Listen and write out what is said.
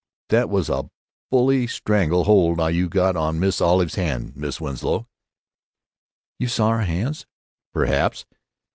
"That was a bully strangle hold you got on Miss Olive's hand, Miss Winslow." "You saw our hands?" "Perhaps....